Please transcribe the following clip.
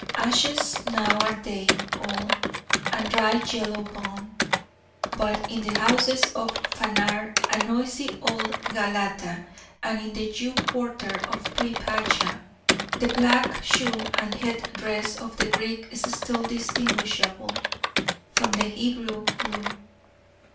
Ashes now are they all, and dry yellow bone; but in the houses of Phanar and noisy old Galata, and in the Jew quarter of Pri pacha, the black shoe and head dress of the Greek is still distinguishable from the Hebrew blue.